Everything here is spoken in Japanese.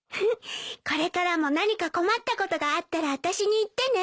これからも何か困ったことがあったらあたしに言ってね。